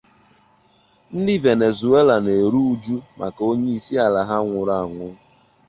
ndị Venezuela na-eru uju maka onye isi ala ha nwụrụ anwụ.